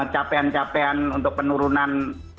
capaian capaian untuk penurunan